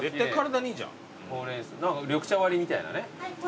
緑茶割りみたいなね。